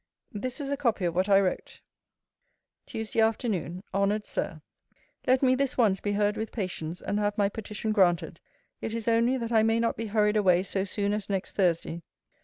This is a copy of what I wrote: TUESDAY AFTERNOON. HONOURED SIR, Let me this once be heard with patience, and have my petition granted. It is only, that I may not be hurried away so soon as next Thursday.